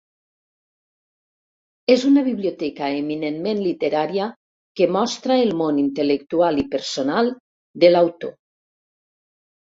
És una biblioteca eminentment literària que mostra el món intel·lectual i personal de l'autor.